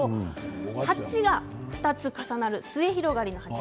八が２つ重なる末広がり。